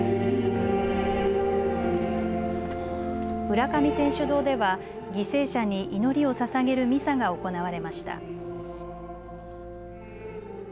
浦上天主堂では犠牲者に祈りをささげるミサが行われました。